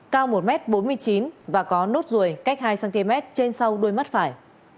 cao một m bốn mươi chín và có nốt ruồi cách hai cm trên sau đuôi mắt phải